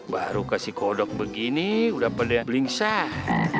baru kasih kodok begini udah pada belingsah